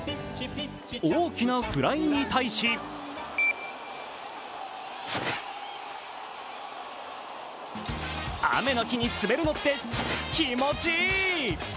大きなフライに対し雨の日に滑るのって気持ちいい！